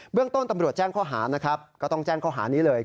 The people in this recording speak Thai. เรื่องต้นตำรวจแจ้งข้อหานะครับก็ต้องแจ้งข้อหานี้เลย